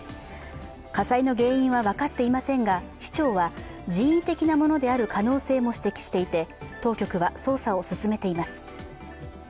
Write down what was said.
火災の原因は分かっていませんが市長は、人為的なものである可能性も指摘していて当局は、捜査を進めています。